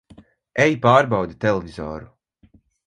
Ej pārbaudi televizoru!